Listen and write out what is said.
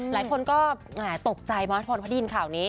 หลายคนก็ตกใจมากเพราะได้ยินข่าวนี้